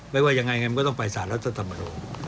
ไม่ว่ายังไงมันก็ต้องไปศาลรัฐนูร